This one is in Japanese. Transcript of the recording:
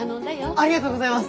ありがとうございます！